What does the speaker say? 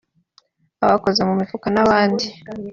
abakoze mu mifuka n’abandi